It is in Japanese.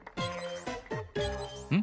うん？